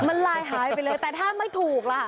มันลายหายไปเลยแต่ถ้าไม่ถูกล่ะ